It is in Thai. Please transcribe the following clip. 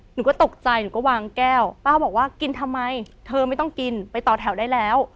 หนูก็ตกใจหนูก็วางแก้วป้าบอกว่ากินทำไมเธอไม่ต้องกินไปต่อแถวได้แล้ว